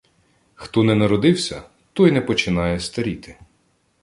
Хто не народився, той не починає старіти